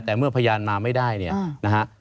แต่เมื่อพยานมาไม่ได้เนี่ยนะฮะ